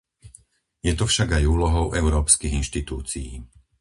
Je to však aj úlohou európskych inštitúcií.